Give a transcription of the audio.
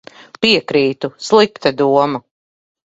Piekrītu. Slikta doma.